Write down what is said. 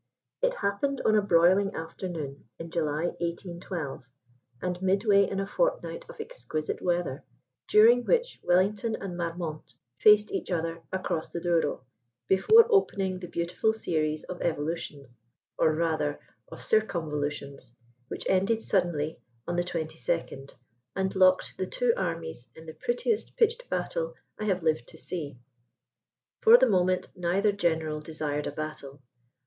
It happened on a broiling afternoon in July 1812, and midway in a fortnight of exquisite weather, during which Wellington and Marmont faced each other across the Douro before opening the beautiful series of evolutions or, rather, of circumvolutions which ended suddenly on the 22nd, and locked the two armies in the prettiest pitched battle I have lived to see. For the moment neither General desired a battle.